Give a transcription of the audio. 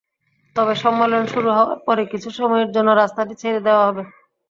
তবে সম্মেলন শুরু হওয়ার পরে কিছু সময়ের জন্য রাস্তাটি ছেড়ে দেওয়া হবে।